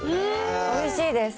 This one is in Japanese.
おいしいです。